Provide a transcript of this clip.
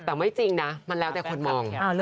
แต่ไม่จริงนะมันแล้วแต่คนมอง